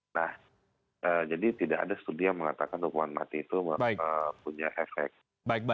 nah jadi tidak ada studi yang mengatakan hukuman mati itu punya efek